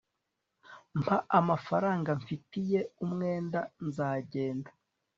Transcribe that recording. mpa amafaranga mfitiye umwenda nzagenda